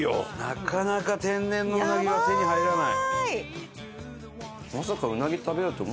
なかなか天然のうなぎは手に入らない。